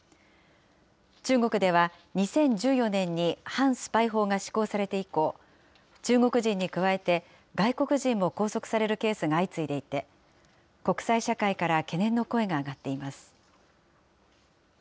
中国では、２０１４年に反スパイ法が施行されて以降、中国人に加えて、外国人も拘束されるケースが相次いでいて、国際社会から懸念の声が上がっています。